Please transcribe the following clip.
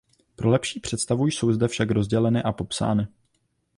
Pro lepší představu jsou zde však rozděleny a popsány.